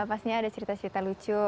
pastinya ada cerita cerita lucu